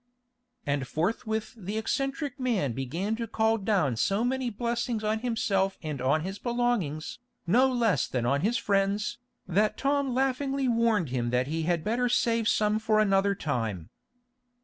And forthwith the eccentric man began to call down so many blessings on himself and on his belongings, no less than on his friends, that Tom laughingly warned him that he had better save some for another time.